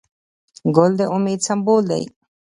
ګل د امید سمبول دی.